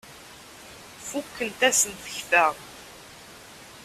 Fukent-asen tekta.